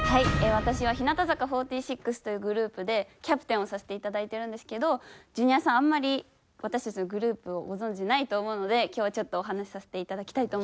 私は日向坂４６というグループでキャプテンをさせていただいてるんですけどジュニアさんあんまり私たちのグループをご存じないと思うので今日はちょっとお話しさせていただきたいと思います。